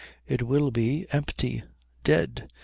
It will be empty, dead.